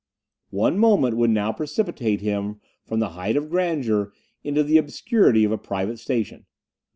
One moment would now precipitate him from the height of grandeur into the obscurity of a private station.